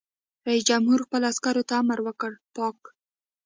رئیس جمهور خپلو عسکرو ته امر وکړ؛ پاک!